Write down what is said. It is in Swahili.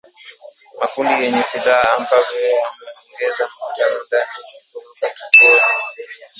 makundi yenye silaha ambayo yameongeza mvutano ndani na kuzunguka Tripoli